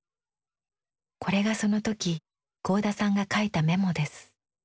これがその時合田さんが書いたメモです。